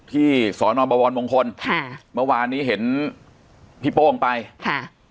ที่สอนอบวรมงคลค่ะเมื่อวานนี้เห็นพี่โป้งไปค่ะ